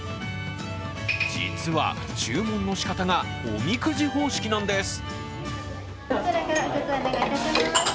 実は、注文の仕方がおみくじ方式なんです。